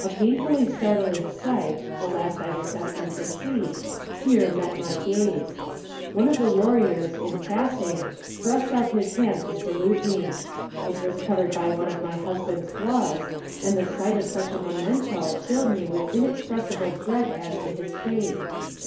A painfully startling sight (the last I was destined to see), here met my gaze. One of the warriors, in passing, thrust out his hand to salute me. It was covered by one of my husband's gloves, and the sight of such a memento filled me with inexpressible dread as to his fate.